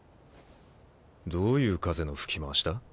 どういう風の吹き回しだ？